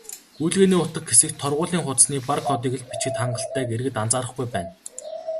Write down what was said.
"Гүйлгээний утга" хэсэгт торгуулийн хуудасны бар кодыг л бичихэд хангалттайг иргэд анзаарахгүй байна.